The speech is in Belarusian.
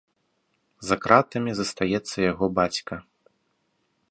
За кратамі застаецца яго бацька.